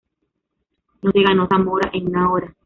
No se ganó Zamora en una hora